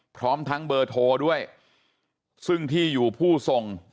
พร้อมทั้งเบอร์โทรด้วยซึ่งที่อยู่ผู้ส่ง